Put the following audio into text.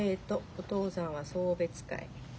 お父さんは送別会。